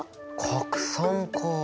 「拡散」か。